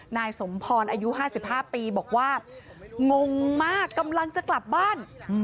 นายสมพรอายุ๕๕ปีบอกว่างงมากกำลังจะกลับบ้าน